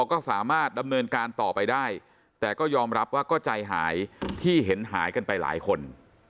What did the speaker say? ก็สามารถดำเนินการต่อไปได้แต่ก็ยอมรับว่าก็ใจหายที่เห็นหายกันไปหลายคน